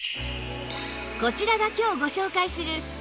こちらが今日ご紹介するこの秋